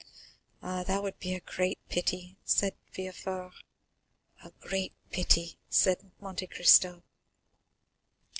"Ah, that would be a great pity," said Villefort. "A great pity," said Monte Cristo.